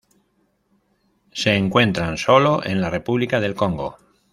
Se encuentran sólo en la República del Congo.